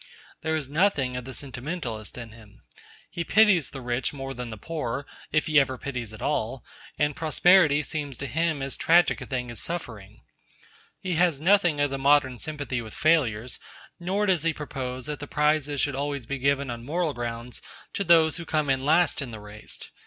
There is nothing of the sentimentalist in him. He pities the rich more than the poor, if he ever pities at all, and prosperity seems to him as tragic a thing as suffering. He has nothing of the modern sympathy with failures, nor does he propose that the prizes should always be given on moral grounds to those who come in last in the race.